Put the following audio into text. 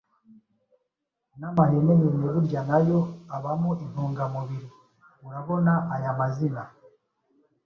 N’amahenehene burya na yo abamo intungamubiri. Urabona aya mazina